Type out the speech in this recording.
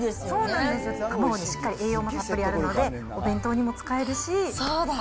そうなんですよ、卵にしっかり栄養もたっぷりあるので、お弁当にも使えるし。